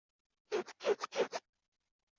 圣瓦阿斯德隆格蒙。